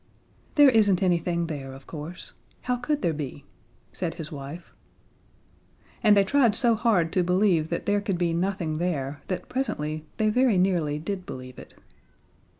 "There isn't anything there, of course. How could there be?" said his wife. And they tried so hard to believe that there could be nothing there that presently they very nearly did believe it.